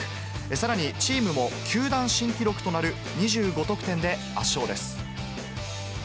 さらに、チームも球団新記録となる２５得点で圧勝です。